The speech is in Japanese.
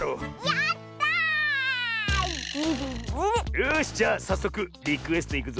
よしじゃあさっそくリクエストいくぞ。